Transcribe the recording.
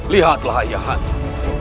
lihatlah ayah anda